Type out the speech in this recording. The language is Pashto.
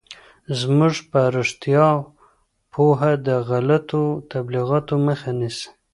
زموږ په رشتیا پوهه د غلطو تبلیغاتو مخه نیسي.